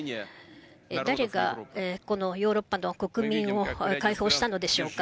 誰がこのヨーロッパの国民を解放したのでしょうか。